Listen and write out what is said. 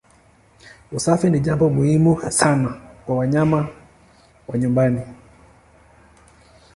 Usafi ni jambo muhimu sana kwa wanyama wa nyumbani.